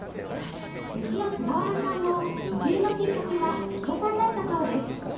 弟子の菅原さんも移住のきっかけはお子さんだったそうです。